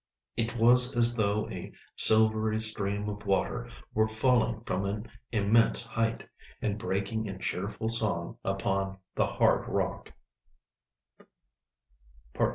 It was as though a silvery stream of water were falling from an immense height, and breaking in cheerful song upon the hard rock.